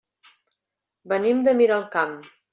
Venim de Miralcamp.